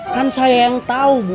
kan saya yang tahu bu